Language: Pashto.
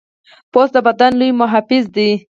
پوست د بدن لوی محافظ دی.